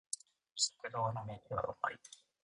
食堂の飯は美味い